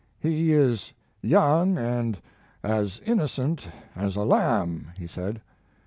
"He is young and as innocent as a lamb," he said.